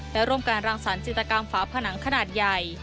และร่วมการรังสรรคจิตกรรมฝาผนังขนาดใหญ่